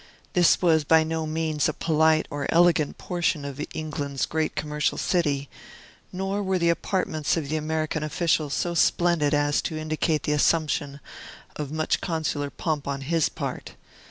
This was by no means a polite or elegant portion of England's great commercial city, nor were the apartments of the American official so splendid as to indicate the assumption of much consular pomp on his part.